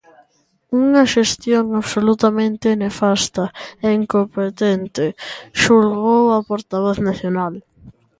"Unha xestión absolutamente nefasta e incompetente", xulgou a portavoz nacional.